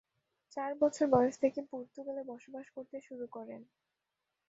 চার বছর বয়স থেকে পর্তুগালে বসবাস করতে শুরু করেন।